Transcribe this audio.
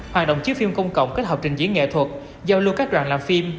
hoạt động chiếu phim công cộng kết hợp trình diễn nghệ thuật giao lưu các đoàn làm phim